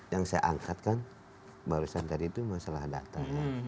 yang saya angkatkan barusan tadi itu masalah data